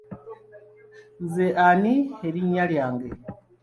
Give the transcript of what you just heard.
Nze ani erinnya lyange?